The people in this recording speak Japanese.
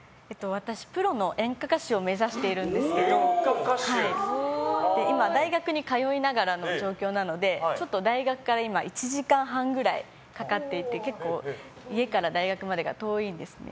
私、プロの演歌歌手を目指しているんですけど今、大学に通いながらの状況なので大学から１時間半くらいかかっていて結構、家から大学までが遠いんですね。